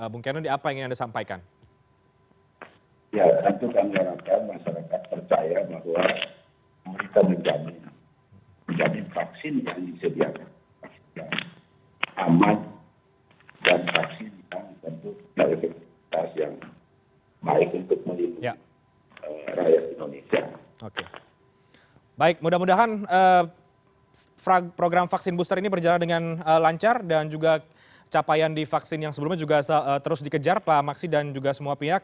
baik mudah mudahan program vaksin booster ini berjalan dengan lancar dan juga capaian divaksin yang sebelumnya juga terus dikejar pak maksi dan juga semua pihak